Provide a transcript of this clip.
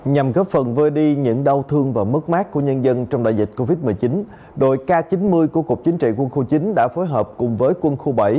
nhằm góp phần vơi đi những đau thương và mất mát của nhân dân trong đại dịch covid một mươi chín đội k chín mươi của cục chính trị quân khu chín đã phối hợp cùng với quân khu bảy